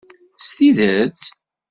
S tidet?